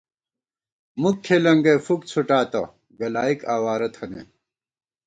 مُک کھېلېنگَئ فُک څُھٹاتہ گلائېک اَوارہ تھنَئیم